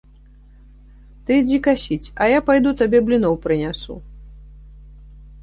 Ты ідзі касіць, а я пайду табе бліноў прынясу.